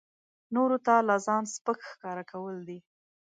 نورو ته لا ځان سپک ښکاره کول دي.